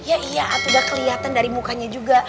ya iya tuh udah keliatan dari mukanya juga